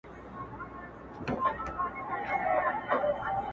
درېغه چي کابل میشتو دربارونو